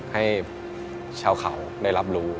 ให้ชาวเขาได้รับรู้